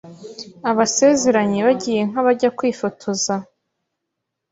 Abasezeranye bagiye nk’abajya kwifotoza